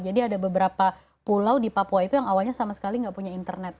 jadi ada beberapa pulau di papua itu yang awalnya sama sekali tidak punya internet